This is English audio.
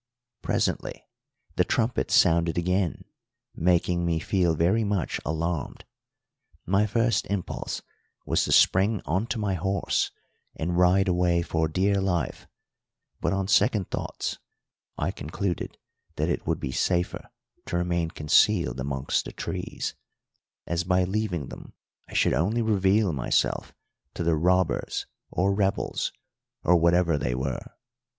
Presently the trumpet sounded again, making me feel very much alarmed. My first impulse was to spring on to my horse and ride away for dear life; but, on second thoughts, I concluded that it would be safer to remain concealed amongst the trees, as by leaving them I should only reveal myself to the robbers or rebels, or whatever they were.